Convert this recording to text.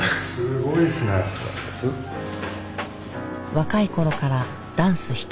若い頃からダンス一筋。